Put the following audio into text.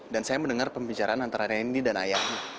dan saya mendengar pembicaraan antara randy dan ayahnya